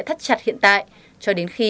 thắt chặt hiện tại cho đến khi